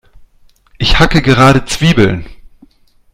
Ich hacke gerade Zwiebeln.